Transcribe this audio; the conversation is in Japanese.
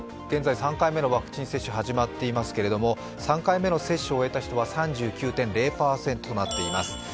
現在、３回目のワクチン接種が始まっていますけれども３回目の接種を終えた人は３９．０％となっています。